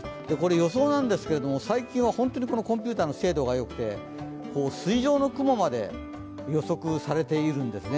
予想なんですけれども、最近は本当にコンピュータの精度がよくて筋状の雲まで予測されているんですね。